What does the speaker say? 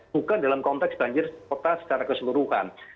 bukan dalam konteks banjir kota secara keseluruhan